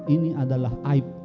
ini adalah aib